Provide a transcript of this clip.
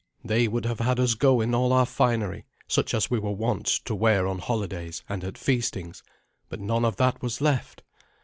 They would have had us go in all our finery, such as we were wont to wear on holidays and at feastings; but none of that was left.